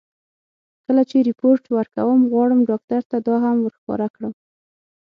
کله چې رېپورټ ورکوم، غواړم ډاکټر ته دا هم ور ښکاره کړم.